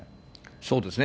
そうですね。